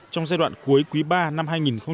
trong giai đoạn cuối quý ba năm hai nghìn một mươi chín